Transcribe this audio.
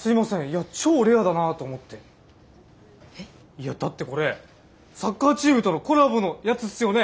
いやだってこれサッカーチームとのコラボのやつっすよね。